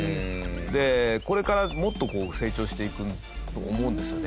これからもっとこう成長していくと思うんですよね。